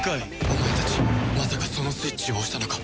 お前たちまさかそのスイッチを押したのか？